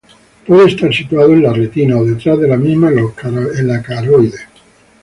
Puede estar situado en la retina, o detrás de la misma, en la coroides.